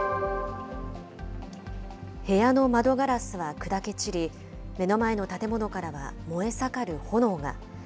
部屋の窓ガラスは砕け散り、目の前の建物からは燃え盛る炎が。